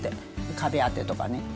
壁当てとかね。